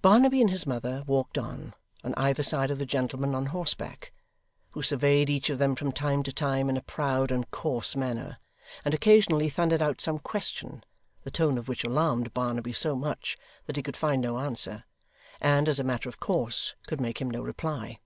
Barnaby and his mother walked on, on either side of the gentleman on horseback, who surveyed each of them from time to time in a proud and coarse manner, and occasionally thundered out some question, the tone of which alarmed Barnaby so much that he could find no answer, and, as a matter of course, could make him no reply.